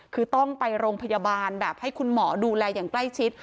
คือต้องไปโรงพยาบาลแบบให้คุณหมอดูแลอย่างใกล้ชิด